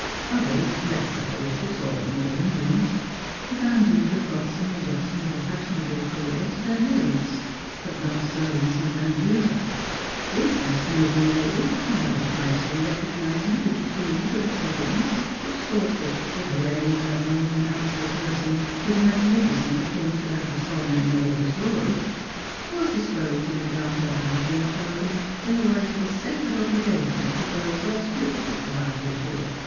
Others, less avari cious or more indolent, abandoned the flotsam and jetsam of a fashionable career to their maids. But not so Mrs. Van Duser. This estimable lady, while piously recognising the decrees of a Provi dence which saw fit to array her own ample person with a magnificence akin to that of Solomon in all his glory, was disposed to regard her outworn clothing in the light of a sacred obligation to those less richly provided for.